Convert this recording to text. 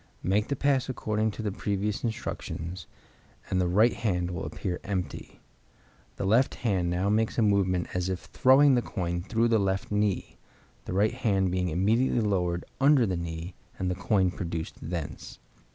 Make the pass according to the previous instructions, and the right hand will appear empty. The left hand now makes a movement as if throwing the coin through the left knee, the right hand being immediately lowered under the knee, and the coin produced thence.